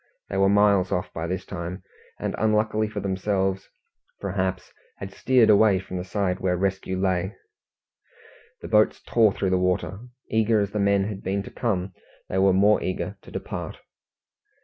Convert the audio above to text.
They were miles off by this time, and unluckily for themselves, perhaps, had steered away from the side where rescue lay. The boats tore through the water. Eager as the men had been to come, they were more eager to depart.